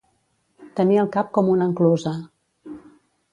Tenir el cap com una enclusa.